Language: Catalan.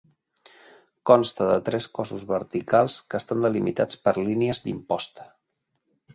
Consta de tres cossos verticals que estan delimitats per línies d'imposta.